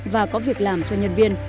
và có việc làm cho nhân viên